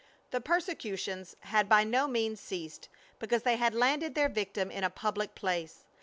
The persecutions had by no means ceased because they had landed their victim in a public place.